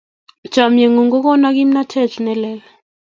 Chamyengung ko kona kimnatet ne lel